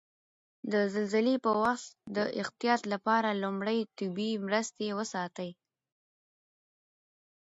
د زلزلې په وخت د احتیاط لپاره لومړي طبي مرستې وساتئ.